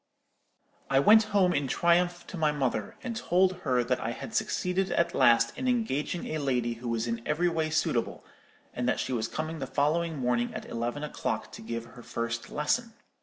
"I went home in triumph to my mother, and told her that I had succeeded at last in engaging a lady who was in every way suitable, and that she was coming the following morning at eleven o'clock to give her first lesson.